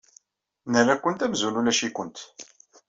Nerra-kent amzun ulac-ikent.